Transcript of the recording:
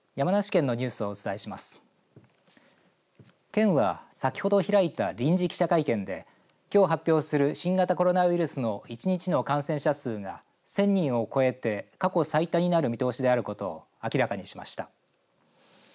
県は先ほど開いた臨時記者会見できょう発表する新型コロナウイルスの１日の感染者数が１０００人を超えて過去最多になる見通しであることを明らかにしました。